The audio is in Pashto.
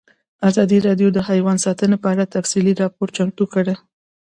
ازادي راډیو د حیوان ساتنه په اړه تفصیلي راپور چمتو کړی.